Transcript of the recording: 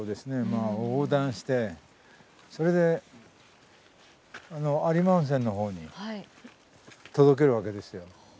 まあ横断してそれで有馬温泉の方に届けるわけですよ。